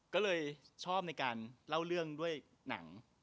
ก็เลยชอบในการเล่าเรื่องด้วยหนัง